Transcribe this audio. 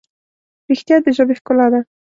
رښتیا د ژبې ښکلا ده.